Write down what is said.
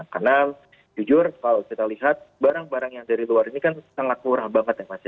karena jujur kalau kita lihat barang barang yang dari luar ini kan sangat murah banget ya mas